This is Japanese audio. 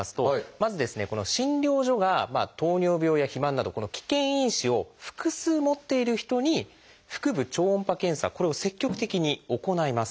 この診療所が糖尿病や肥満などこの危険因子を複数持っている人に腹部超音波検査これを積極的に行います。